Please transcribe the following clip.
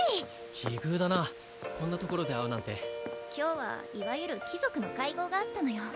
奇遇だなこんなところで会うなんて今日はいわゆる貴族の会合があったのよ